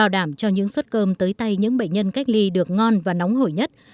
đảm cho những suất cơm tới tay những bệnh nhân cách ly được ngon và nóng hổi nhất